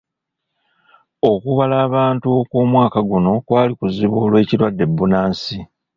Okubala abantu okw'omwaka guno kwali kuzibu olw'ekirwadde bbunansi.